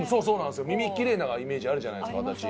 耳奇麗なイメージあるじゃないですか形。